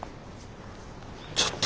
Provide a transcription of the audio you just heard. ちょっと。